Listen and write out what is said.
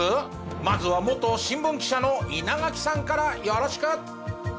まずは元新聞記者の稲垣さんからよろしく！